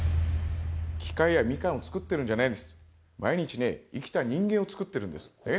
機械やみかんを作っているんじゃないんです、毎日ね、生きた人間をつくってるんです。